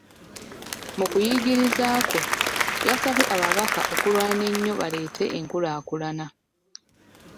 Mu kuyigiriza kwe, yasabye ababaka okulwana ennyo baleete enkulaakulana.